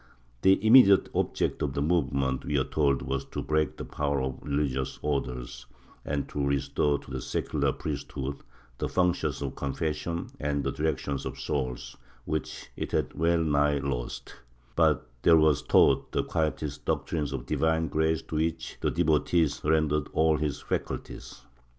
The immediate object of the movement, we are told, was to break the power of the religious Orders and to restore to the secular priesthood the functions of confession and the direction of souls which it had well nigh lost, but there was taught the Quietist doctrine of divine grace to which the devotee surrendered all his faculties.